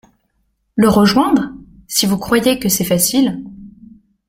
Le rejoindre ! si vous croyez que c’est facile…